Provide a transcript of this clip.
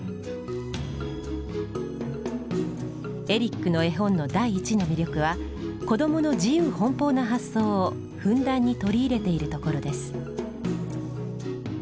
エリックの絵本の第一の魅力は子どもの自由奔放な発想をふんだんに取り入れているところです。